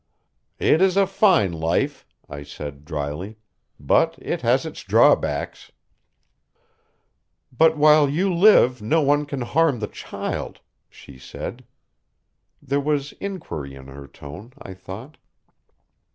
"It is a fine life," I said dryly. "But it has its drawbacks." "But while you live no one can harm the child," she said. There was inquiry in her tone, I thought.